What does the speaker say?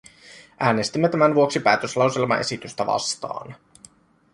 Äänestimme tämän vuoksi päätöslauselmaesitystä vastaan.